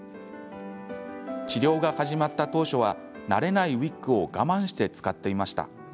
治療が始まった当初は慣れないウイッグを我慢して使っていました。